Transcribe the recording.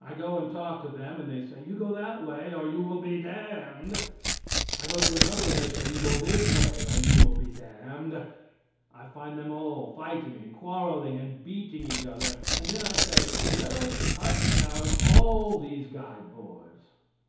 I go and talk to them and they say: "You go that way, or you will be damned." I go to another and they say: "You go this way, or you will be damned." I find them all fighting and quarreling and beating each other, and then I say: "Let us cut down all these guide boards."